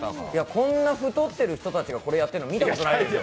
こんな太ってる人たちがこれやってるの見たことないでしょ。